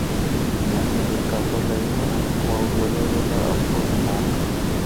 امیر له کابله یوه قوه ورولېږله او ټول یې مات کړل.